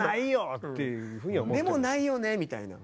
でもないよねみたいな。